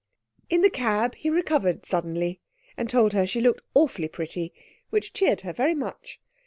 In the cab he recovered suddenly, and told her she looked awfully pretty, which cheered her very much.